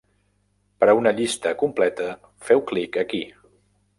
Per a una llista completa, feu clic aquí.